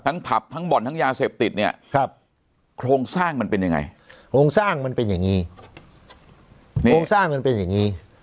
ทั้งผับทั้งบ่อนทั้งยาเสพติดเนี่ยครับโครงสร้างมันเป็นยังไงโครงสร้างมันเป็นอย่างงี้